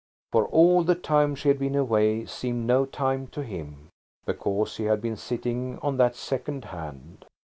For all the time she had been away seemed no time to him, because he had been sitting on that second hand.